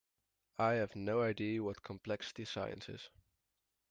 I have no idea what complexity science is.